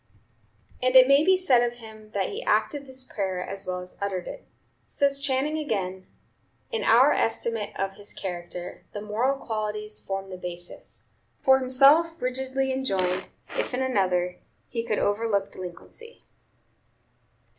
And it may be said of him that he acted this prayer as well as uttered it. Says Channing again: "In our estimate of his character, the moral qualities form the basis; for himself rigidly enjoined; if in another, he could overlook delinquency.